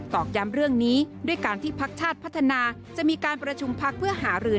อกย้ำเรื่องนี้ด้วยการที่พักชาติพัฒนาจะมีการประชุมพักเพื่อหารือ